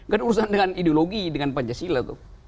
gak ada urusan dengan ideologi dengan pancasila itu